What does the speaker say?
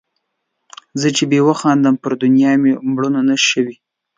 چي زه بې خاونده يم ، پر دنيا دي مړوښه نه وي.